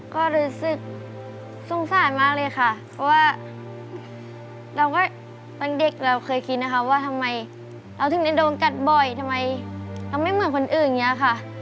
ก็รู้สึกสงสารมากเลยค่ะเพราะว่าเราก็ตอนเด็กเราเคยคิดนะคะว่าทำไมเราถึงได้โดนกัดบ่อยทำไมเราไม่เหมือนคนอื่นอย่างนี้ค่ะ